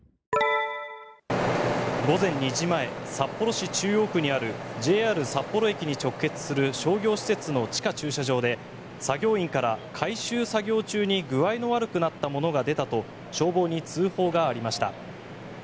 午前２時前札幌市中央区にあるＪＲ札幌駅に直結する商業施設の地下駐車場で作業員から改修作業中に具合の悪くなった者が出たと消防に通報がありました。